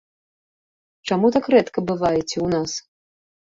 Чаму так рэдка бываеце ў нас?